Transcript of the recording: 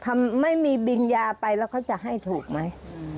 ถ้าไม่มีบิญญาไปแล้วเขาจะให้ถูกไหม